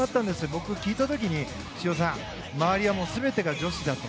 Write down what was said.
僕聞いた時に修造さん、周りは全て女子だと。